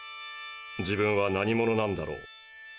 自分は何者なんだろう。